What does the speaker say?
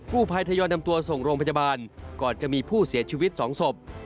ผู้ภัยทยอยนำตัวส่งโรงพยาบาลก่อนจะมีผู้เสียชีวิต๒ศพ